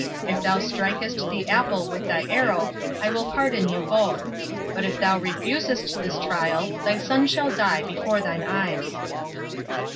If thou strikest the apple with thy arrow, I will pardon you both; but if thou refusest this trial, thy son shall die before thine eyes."